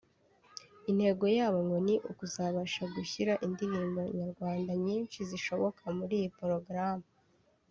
Intego yabo ngo ni ukuzabasha gushyira indirimbo nyarwanda nyinshi zishoboka muri iyi porogaramu